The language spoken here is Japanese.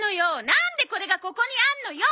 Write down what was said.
なんでこれがここにあんのよ！！